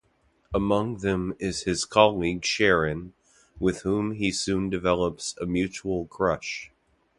Among them is his colleague Sharon, with whom he soon develops a mutual crush.